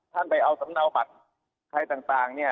ท่านไปเอาสำเนาบัตรใครต่างเนี่ย